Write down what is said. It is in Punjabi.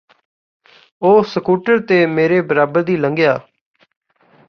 ਉਹ ਸਕੂਟਰ ਤੇ ਮੇਰੇ ਬਰਾਬਰ ਦੀ ਲੰਘਿਆ